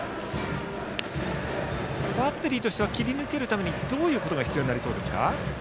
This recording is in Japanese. バッテリーとしては切り抜けるためにどういうことが必要になりそうですか？